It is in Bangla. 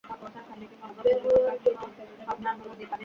বের হওয়ার গেটের ক্যামেরাটা চেক করুন।